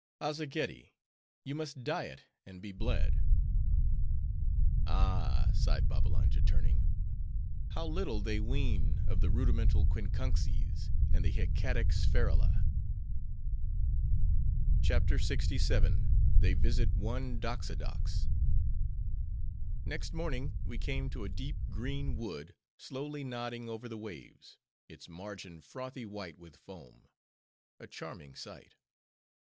"Azzageddi! you must diet, and be bled." "Ah!" sighed Babbalanja, turning; "how little they ween of the Rudimental Quincunxes, and the Hecatic Spherula!" CHAPTER LXVII. They Visit One Doxodox Next morning, we came to a deep, green wood, slowly nodding over the waves; its margin frothy white with foam. A charming sight!